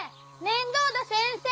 面倒田先生！